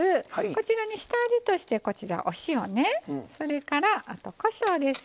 こちらに下味として、お塩それから、こしょうです。